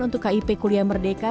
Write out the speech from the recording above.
untuk kip kuliah merdeka